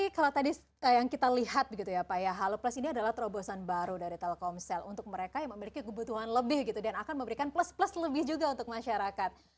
kalau tadi yang kita lihat begitu ya pak ya halo plus ini adalah terobosan baru dari telkomsel untuk mereka yang memiliki kebutuhan lebih gitu dan akan memberikan plus plus lebih juga untuk masyarakat